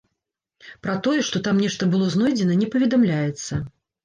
Пра тое, што там нешта было знойдзена, не паведамляецца.